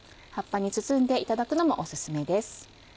葉っぱに包んでいただくのもお薦めです。